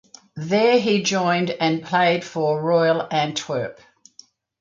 There he joined and played for Royal Antwerp.